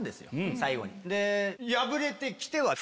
最後に。